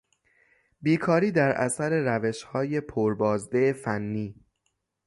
بیکاری در اثر روشهای پر بازده فنی